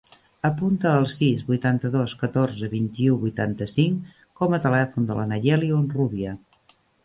Apunta el sis, vuitanta-dos, catorze, vint-i-u, vuitanta-cinc com a telèfon de la Nayeli Honrubia.